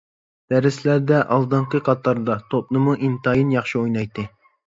دەرسلەردە ئالدىنقى قاتاردا، توپنىمۇ ئىنتايىن ياخشى ئوينايتتى.